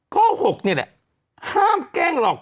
ข้อ๖นี่แหละห้ามแกล้งหรอก